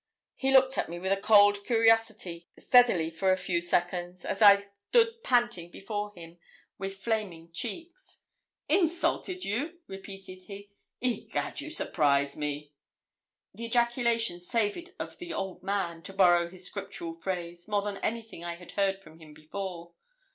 He looked at me with a cold curiosity steadly for a few seconds, as I stood panting before him with flaming cheeks. 'Insulted you?' repeated he. 'Egad, you surprise me!' The ejaculation savoured of 'the old man,' to borrow his scriptural phrase, more than anything I had heard from him before.